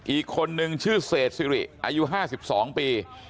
อีกคนนึงชื่อเศษสิริอายุ๕๒ปี